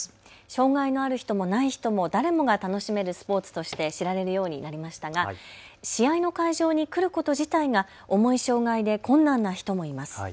障害のある人もない人も誰もが楽しめるスポーツとして知られるようになりましたが試合の会場に来ること自体が重い障害で困難な人もいます。